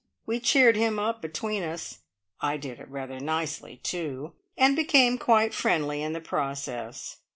We cheered him up between us (I did it rather nicely, too!) and became quite friendly in the process.